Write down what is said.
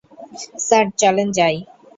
Sir চলেন যাই।